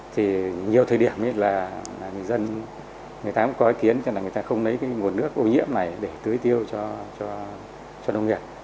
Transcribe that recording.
thì nhiều thời điểm là người dân người ta cũng có ý kiến cho là người ta không lấy cái nguồn nước ô nhiễm này để tưới tiêu cho nông nghiệp